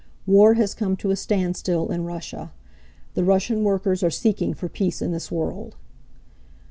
War has come to a standstill in Russia. The Russian workers are seeking for peace in this world.